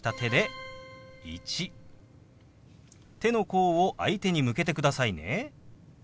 手の甲を相手に向けてくださいね。